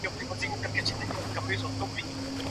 مرګ د ستړي انسان د خوب په څیر دی.